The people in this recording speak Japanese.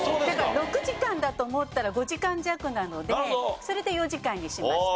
６時間だと思ったら５時間弱なのでそれで４時間にしました。